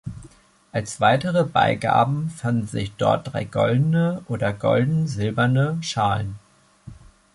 Als weitere Beigaben fanden sich dort drei goldene, oder golden-silberne, Schalen.